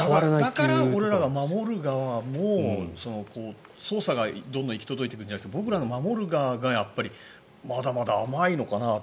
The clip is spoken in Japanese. だから、俺ら守る側も捜査がどんどん行き届いていくんじゃなくて僕ら、守る側がまだまだ甘いのかなと。